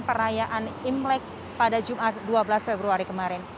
pada hari ini perayaan imlek pada jumat dua belas februari kemarin